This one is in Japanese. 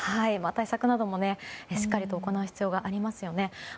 対策などもしっかりと行う必要がありますよね。